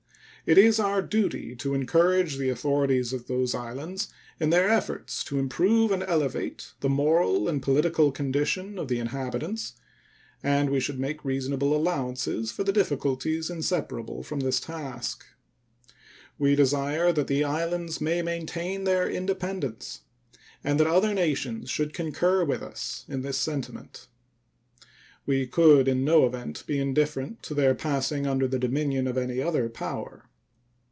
It is our duty to encourage the authorities of those islands in their efforts to improve and elevate the moral and political condition of the inhabitants, and we should make reasonable allowances for the difficulties inseparable from this task. We desire that the islands may maintain their independence and that other nations should concur with us in this sentiment. We could in no event be indifferent to their passing under the dominion of any other power.